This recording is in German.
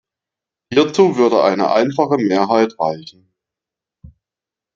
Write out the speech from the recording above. Hierzu würde eine einfache Mehrheit reichen.